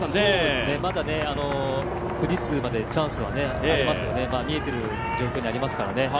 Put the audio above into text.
まだ富士通までチャンスはありますよね、見えている状況ではありますからね。